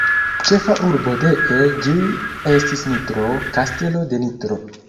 Ĉefa urbo dee ĝi estis Nitro, Kastelo de Nitro.